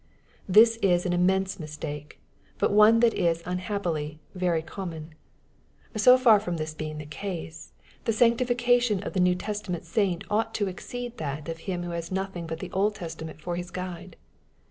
This is an immense mistake, but one that is unhappily very common^ So far from this being the case, the sanctification of the New Testament saint ought to exceed that of him who has nothing but the Old Testament fo/ his guide.